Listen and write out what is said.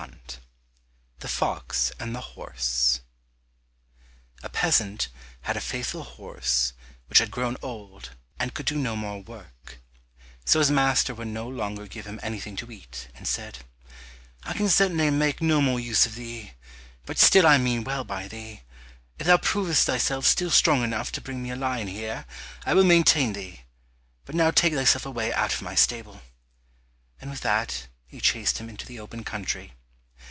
132 The Fox and the Horse A peasant had a faithful horse which had grown old and could do no more work, so his master would no longer give him anything to eat and said, "I can certainly make no more use of thee, but still I mean well by thee; if thou provest thyself still strong enough to bring me a lion here, I will maintain thee, but now take thyself away out of my stable," and with that he chased him into the open country.